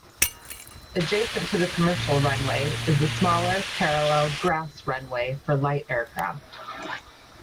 Adjacent to the commercial runway is a smaller, parallel, grass runway for light aircraft.